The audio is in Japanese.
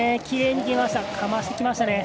きれいに決めました。